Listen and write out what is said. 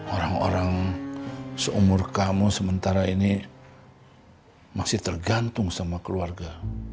orang orang seumur kamu sementara ini masih tergantung sama keluarga